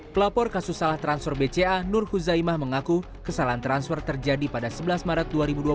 pelapor kasus salah transfer bca nur huzaimah mengaku kesalahan transfer terjadi pada sebelas maret dua ribu dua puluh